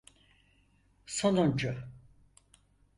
Sonuncu.